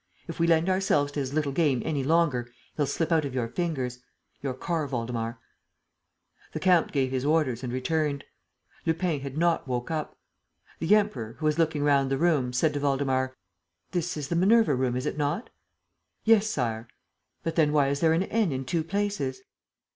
If we lend ourselves to his little game any longer, he'll slip out of your fingers. Your car, Waldemar." The count gave his orders and returned. Lupin had not woke up. The Emperor, who was looking round the room, said to Waldemar: "This is the Minerva room, is it not?" "Yes, Sire." "But then why is there an 'N' in two places?"